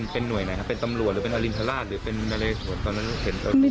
เป็นหน่วยไหนครับเป็นตำรวจหรือเป็นอลินทราชหรือเป็นอะไร